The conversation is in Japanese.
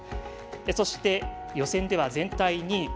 そして、予選では全体２位。